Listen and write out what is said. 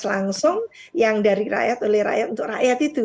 langsung yang dari rakyat oleh rakyat untuk rakyat itu